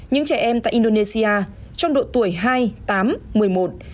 những trẻ em tại indonesia trong độ tuổi